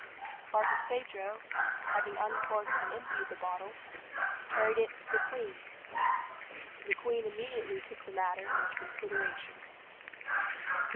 Barkilphedro, having uncorked and emptied the bottle, carried it to the queen. The queen immediately took the matter into consideration.